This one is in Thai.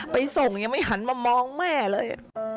ไปส่งยังไม่หันมามองแม่เลย